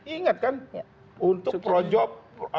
ingat kan untuk pro job